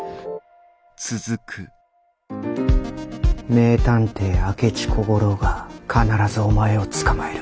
名探偵明智小五郎が必ずお前を捕まえる。